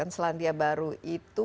selandia baru itu